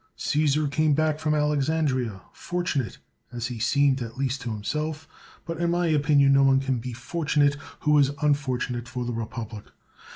Caesar came back from Alexandria, fortunate, as he seemed at least to himself ; but in my opin ion no one can be fortunate who is unfortunate for the republic.